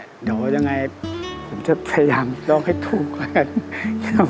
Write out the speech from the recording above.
เดี๋ยวว่าจะยังไงผมจะพยายามร้องให้ถูกกว่านั้น